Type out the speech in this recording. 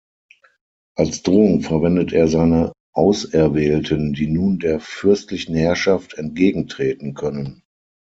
Als Drohung verwendet er seine Auserwählten, die nun der fürstlichen Herrschaft entgegentreten können.